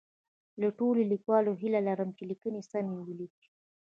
له ټولو لیکوالو هیله لرم چي لیکنې سمی ولیکي